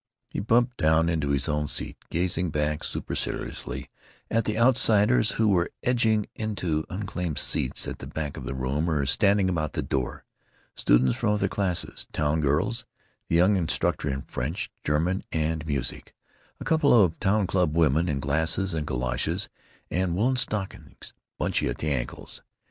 He bumped down into his own seat, gazing back superciliously at the outsiders who were edging into unclaimed seats at the back of the room or standing about the door—students from other classes, town girls, the young instructor in French, German, and music; a couple of town club women in glasses and galoshes and woolen stockings bunchy at the ankles.